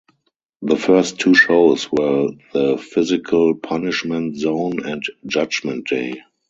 The first two shows were The Physical Punishment Zone and Judgment Day.